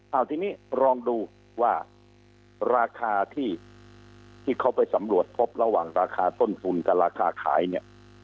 เอาทีนี้ลองดูว่าราคาที่เขาไปสำรวจพบระหว่างราคาต้นทุนกับราคาขายเนี่ย